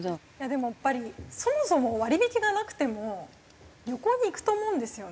でもやっぱりそもそも割り引きがなくても旅行に行くと思うんですよね。